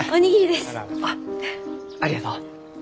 あっありがとう。